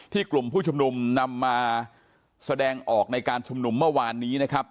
กลุ่มผู้ชุมนุมนำมาแสดงออกในการชุมนุมเมื่อวานนี้นะครับ